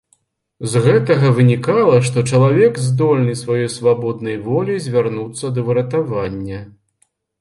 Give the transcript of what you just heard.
З гэтага вынікала, што чалавек здольны сваёй свабоднай воляй звярнуцца да выратавання.